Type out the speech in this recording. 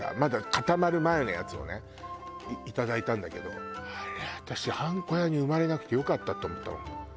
固まる前のやつをねいただいたんだけどあれ私あんこ屋に生まれなくてよかったと思ったもん。